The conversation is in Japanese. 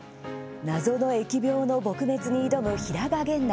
謎の疫病撲滅に挑む平賀源内